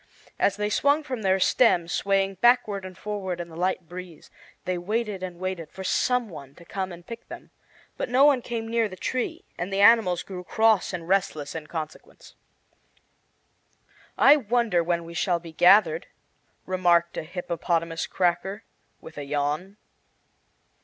As they swung from their stems, swaying backward and forward in the light breeze, they waited and waited for some one to come and pick them. But no one came near the tree, and the animals grew cross and restless in consequence. "I wonder when we shall be gathered," remarked a hippopotamus cracker, with a yawn.